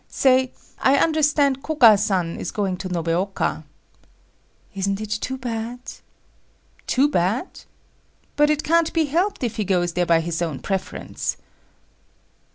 "Say, I understand Koga san is going to Nobeoka." "Isn't it too bad?" "Too bad? But it can't be helped if he goes there by his own preference."